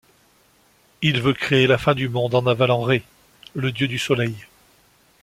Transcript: Il veut créer la fin du monde en avalant Rê, le dieu du soleil.